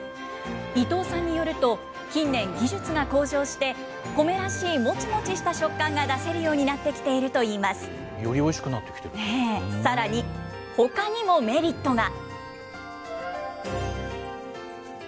伊藤さんによると、近年、技術が向上して、コメらしいもちもちした食感が出せるようになってきているといいよりおいしくなってきているさらに、ほかにもメリットが。